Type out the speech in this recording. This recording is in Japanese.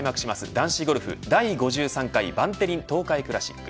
男子ゴルフ第５３回バンテリン東海クラシック。